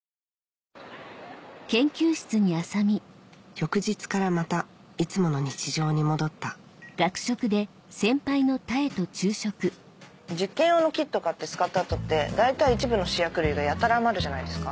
翌日からまたいつもの日常に戻った実験用のキット買って使った後って大体一部の試薬類がやたら余るじゃないですか。